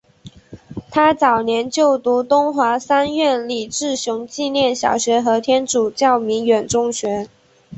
他早年就读东华三院李志雄纪念小学和天主教鸣远中学。